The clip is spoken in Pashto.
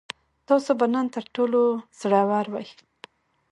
تاسو به نن تر ټولو زړور وئ.